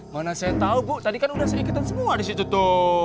mana saya tau bu tadi kan udah saya ikutan semua disitu tuh